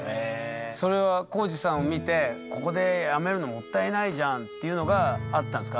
それは皓史さんを見てここでやめるのもったいないじゃんっていうのがあったんですか？